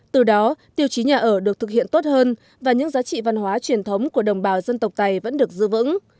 từ đó tiêu chí nhà ở được thực hiện tốt hơn và những giá trị văn hóa truyền thống của đồng bào dân tộc tây vẫn được giữ vững